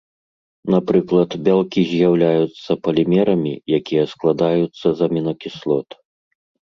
Напрыклад, бялкі з'яўляюцца палімерамі, якія складаюцца з амінакіслот.